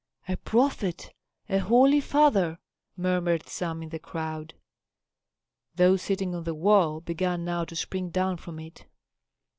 "A prophet! A holy father!" murmured some in the crowd. Those sitting on the wall began now to spring down from it.